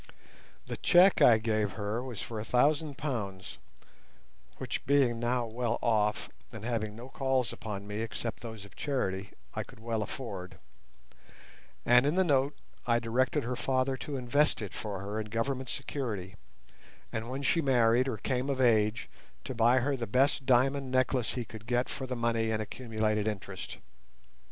The cheque I gave her was for a thousand pounds (which being now well off, and having no calls upon me except those of charity, I could well afford), and in the note I directed her father to invest it for her in Government security, and when she married or came of age to buy her the best diamond necklace he could get for the money and accumulated interest.